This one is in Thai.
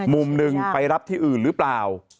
มุมหนึ่งไปรับที่อื่นหรือเปล่า